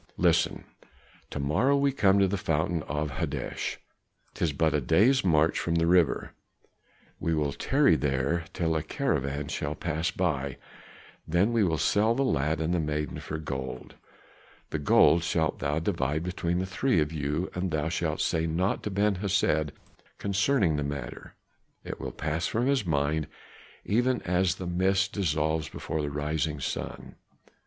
Listen! to morrow we come to the fountain of Hodesh, 'tis but a day's march from the river; we will tarry there till a caravan shall pass by, then will we sell the lad and the maiden for gold. The gold shalt thou divide between the three of you, and thou shalt say naught to Ben Hesed concerning the matter; it will pass from his mind, even as the mist dissolves before the rising sun.